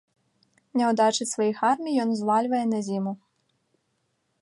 Няўдачы сваіх армій ён узвальвае на зіму.